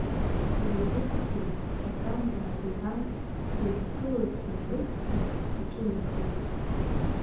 Ливукгьы ҳаҭамзааит иҳәан, дыздгылаз дынрыдҵны иҿынеихеит.